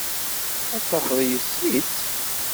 Ad tafeḍ yessen-itt.